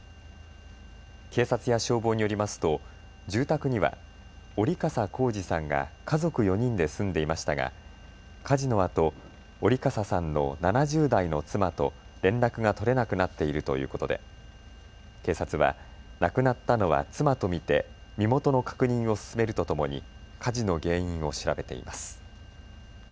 警察や消防によりますと住宅には折笠光次さんが家族４人で住んでいましたが火事のあと折笠さんの７０代の妻と連絡が取れなくなっているということで警察は亡くなったのは妻と見て身元の確認を進めるとともに火事の原因を調べています。